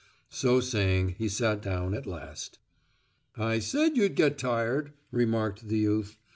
So saying he sat down at last. "I said you'd get tired," remarked the youth.